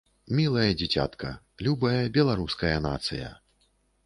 Мілае дзіцятка, любая Беларуская Нацыя.